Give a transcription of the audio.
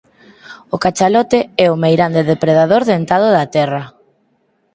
O cachalote é o meirande depredador dentado da terra.